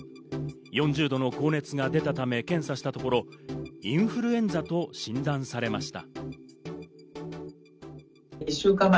４０度の高熱が出たため検査したところ、インフルエンザと診断されました。